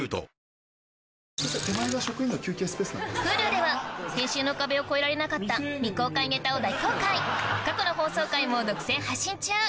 Ｈｕｌｕでは編集の壁を越えられなかった未公開ネタを大公開過去の放送回も独占配信中！